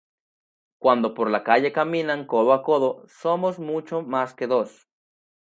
Cuando por la calle caminan codo a codo "somos mucho más que dos".